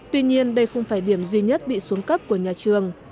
tuy nhiên đây không phải điểm duy nhất bị xuống cấp của nhà trường